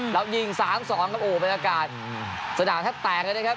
แล้วยิง๓๒ก็โกขงานไปแล้วกันผสมศาสดาแทบแตกเลยนะครับ